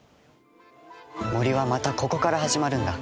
森はまたここから始まるんだ。